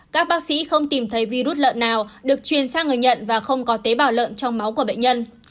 các bác sĩ không tìm thấy virus lợn nào được truyền sang người nhận và không có tế bảo lợn trong máu của bệnh nhân